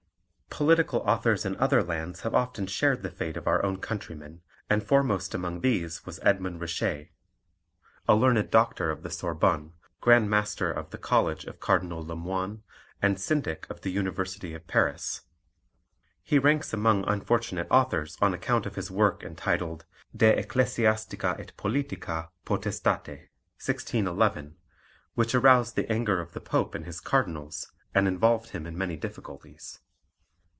Political authors in other lands have often shared the fate of our own countrymen, and foremost among these was Edmund Richer, a learned doctor of the Sorbonne, Grand Master of the College of Cardinal Le Moine, and Syndic of the University of Paris. He ranks among unfortunate authors on account of his work entitled De Ecclesiastica et Politica, potestate (1611), which aroused the anger of the Pope and his Cardinals, and involved him in many difficulties.